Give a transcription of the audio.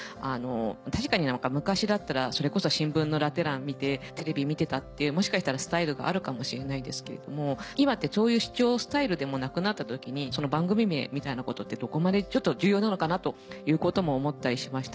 確かに昔だったらそれこそ新聞のラテ欄見てテレビ見てたっていうもしかしたらスタイルがあるかもしれないですけれども今ってそういう視聴スタイルでもなくなった時にその番組名みたいなことってどこまで重要なのかなということも思ったりしました。